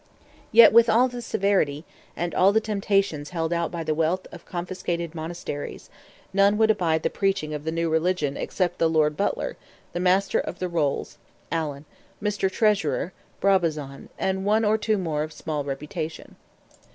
Yet, with all this severity, and all the temptations held out by the wealth of confiscated monasteries, none would abide the preaching of the new religion except the "Lord Butler, the Master of the Rolls (Allan), Mr. Treasurer (Brabazon), and one or two more of small reputation."